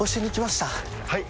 はい？